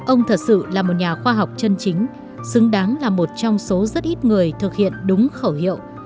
ông thật sự là một nhà khoa học chân chính xứng đáng là một trong số rất ít người thực hiện đúng khẩu hiệu